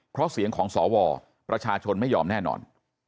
เพราะเสียงของสวประชาชนไม่ยอมแน่นอน